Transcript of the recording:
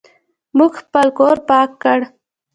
موږ خپل کور پاک کړ.